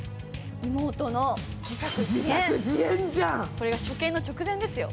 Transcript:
これが処刑の直前ですよ。